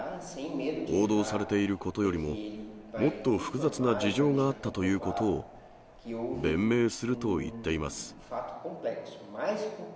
報道されていることよりも、もっと複雑な事情があったということを、弁明すると言っています。